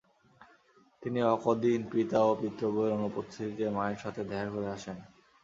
তিনি অকদিন পিতা ও পিতৃব্যের অনুপস্থিতিতে মায়ের সাথে দেখা করে আসেন।